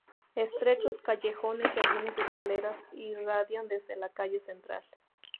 Estrechos callejones y algunas escaleras irradian desde la "calle" central.